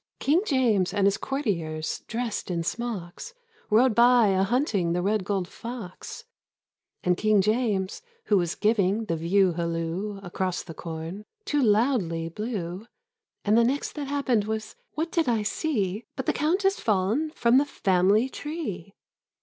King James and his courtiers, dressed in smocks, Rode by a hunting the red gold fox, 45 And King James, who was giving the view halloo Across the corn, too loudly blew. And the next that happened was — what did I see But the Countess fall'n from the family tree